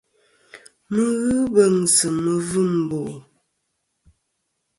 Mi ghɨ beŋsɨ mivim mbo.